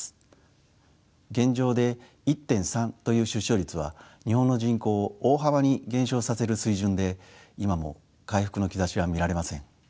現状で１．３という出生率は日本の人口を大幅に減少させる水準で今も回復の兆しは見られません。